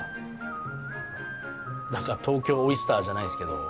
東京オイスターじゃないですけど。